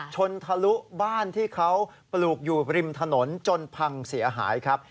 ทะลุบ้านที่เขาปลูกอยู่ริมถนนจนพังเสียหายครับ